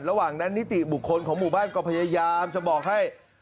ระหว่างนั้นนิติบุคคลของหมู่บ้านก็พยายามจะบอกให้